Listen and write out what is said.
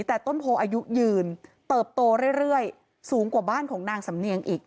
แต่ต้นโพอายุยืนเติบโตเรื่อยสูงกว่าบ้านของนางสำเนียงอีก